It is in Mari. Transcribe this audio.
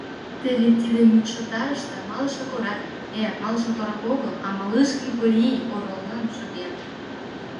Теве тиде мӱкшотарыште Малыше Корак, э, малыше корак огыл, а Малышкин Корий, ороллан шоген.